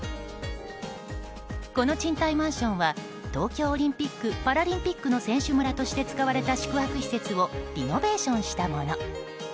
この賃貸マンションは東京オリンピック・パラリンピックの選手村として使われた宿泊施設をリノベーションしたもの。